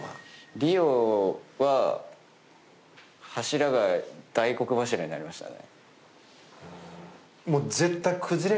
リオは柱が大黒柱になりましたね。